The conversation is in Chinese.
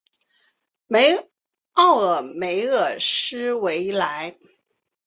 奥尔梅尔斯维莱。